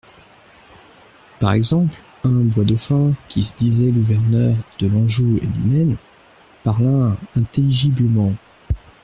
Par exemple, un Boisdauphin, qui se disait gouverneur de l'Anjou et du Maine, parla intelligiblement.